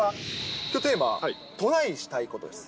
きょうテーマ、トライしたいことです。